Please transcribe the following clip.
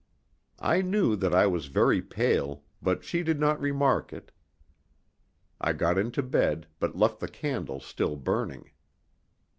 I knew that I was very pale, but she did not remark it. I got into bed, but left the candle still burning.